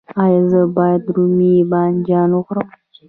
ایا زه باید رومی بانجان وخورم؟